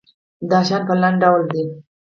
دا شیان په لاندې ډول دي.